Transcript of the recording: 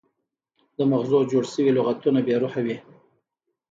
د مغزو جوړ شوي لغتونه بې روحه وي.